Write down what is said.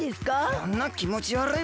そんなきもちわるい